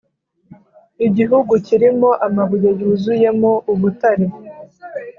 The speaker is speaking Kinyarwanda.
igihugu kirimo amabuye yuzuyemo ubutare,